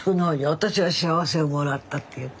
私は幸せをもらったって言った。